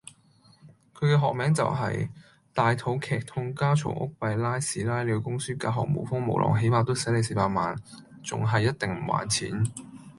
佢嘅學名就是：大肚劇痛家吵屋閉拉屎拉尿供書教學無風無浪起碼都洗你四百萬，仲喺一定唔還錢